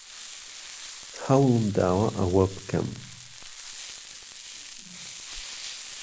هەوڵم داوە ئەوە بکەم.